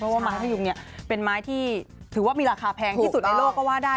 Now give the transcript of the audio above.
เพราะว่าไม้พยุงเนี่ยเป็นไม้ที่ถือว่ามีราคาแพงที่สุดในโลกก็ว่าได้